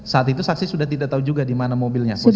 saat itu saksi sudah tidak tahu juga di mana mobilnya